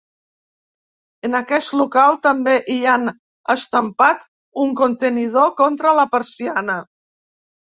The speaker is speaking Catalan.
En aquest local també hi han estampat un contenidor contra la persiana.